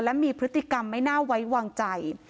และมีพฤติกรรมไม่น่าไว้วางใจ